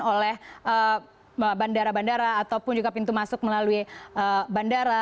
oleh bandara bandara ataupun juga pintu masuk melalui bandara